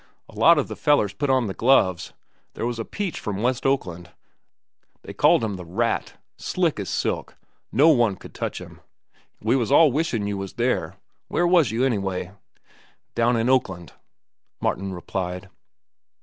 "A lot of the fellers put on the gloves. There was a peach from West Oakland. They called 'm 'The Rat.' Slick as silk. No one could touch 'm. We was all wishin' you was there. Where was you anyway?" "Down in Oakland," Martin replied.